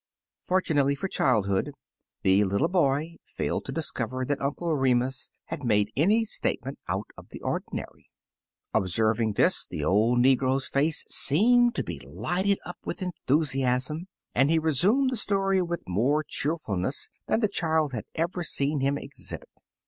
Fortunately for childhood, the little boy failed to discover that Uncle Remus had made any statement out of the ordinary. Observing this, the old negro's face seemed to be lighted up with enthusiasm, and he resumed the stoiy with more cheer fulness than the child had ever seen him exhibit.